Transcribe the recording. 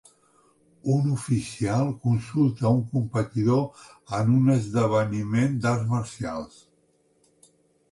Un oficial consulta a un competidor en un esdeveniment d'arts marcials.